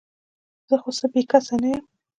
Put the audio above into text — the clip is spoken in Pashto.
زه خو څه بې کسه نه یم ؟